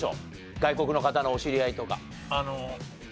外国の方のお知り合いとか。